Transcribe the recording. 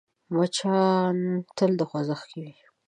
مچان تل خوځښت کې وي